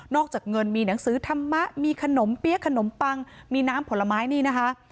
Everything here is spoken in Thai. อกจากเงินมีหนังสือธรรมะมีขนมเปี๊ยะขนมปังมีน้ำผลไม้นี่นะคะ